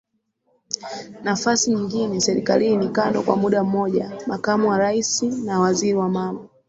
nafasi nyingine serikalini kando kwa mudamoja Makamu wa Rais na waziri wa mambo